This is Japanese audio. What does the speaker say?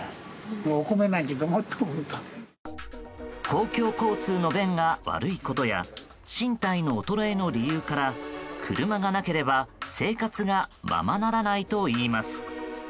公共交通の便が悪いことや身体の衰えの理由から車がなければ生活がままならないといいます。